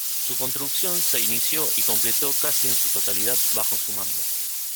Su construcción se inició y completó casi en su totalidad bajo su mando.